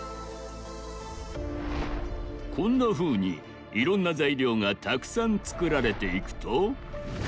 こんなふうにいろんなざいりょうがたくさんつくられていくと。